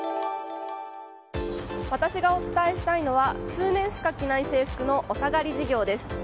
私がお伝えしたいのは数年しか着ない制服のお下がり事業です。